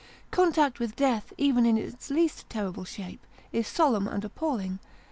Contact with death even in its least terrible shape, is solemn and appalling.